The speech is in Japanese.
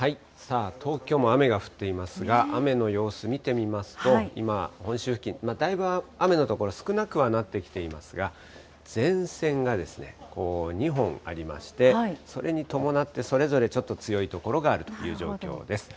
東京も雨が降っていますが、雨の様子見てみますと、今、本州付近、だいぶ雨の所、少なくはなってきていますが、前線が２本ありまして、それに伴ってそれぞれちょっと強い所があるという状況です。